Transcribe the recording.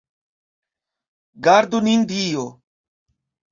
Gardu nin Dio!